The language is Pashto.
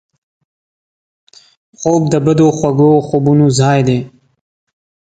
خوب د بدو خوږو خوبونو ځای دی